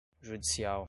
judicial